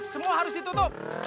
semua harus ditutup